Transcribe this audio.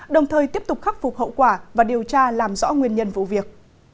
đồng thời tiếp tục khắc phục hậu quả và điều tra làm rõ nguyên nhân vụ việc